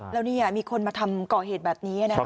แล้วนี่มีคนมาทำก่อเหตุแบบนี้